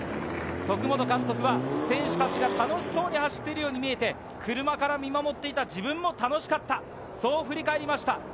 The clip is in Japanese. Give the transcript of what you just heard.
徳本監督は選手たちが楽しそうに走っているように見えて、車から見守っていた自分も楽しかったと振り返りました。